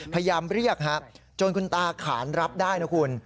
พยายามเรียกฮะจนคุณตาขานรับได้นะคุณ